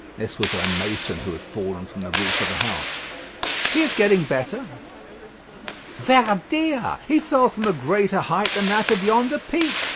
(This was a mason who had fallen from the roof of a house.) "He is getting better." "Ver dia! he fell from a greater height than that of yonder peak.